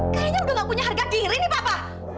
kayaknya udah gak punya harga diri nih papa